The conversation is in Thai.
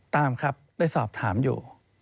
ตามครับได้สอบถามอยู่